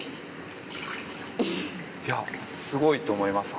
すごいと思います。